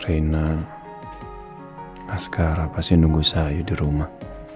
reina asgara pasti nunggu saya di rumah